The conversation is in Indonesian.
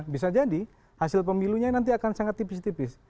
bisa jadi hasil pemilunya nanti akan sangat tipis tipis